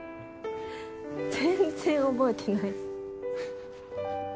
全然覚えてない。